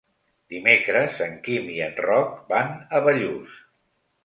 Dimecres en Quim i en Roc van a Bellús.